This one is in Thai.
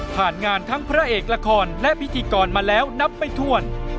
งานทั้งพระเอกละครและพิธีกรมาแล้วนับไปถ้วน